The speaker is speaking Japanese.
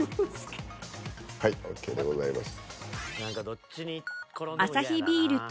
はいＯＫでございます。